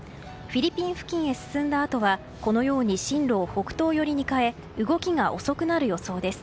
フィリピン付近へ進んだあとは進路を北東寄りに変え動きが遅くなる予想です。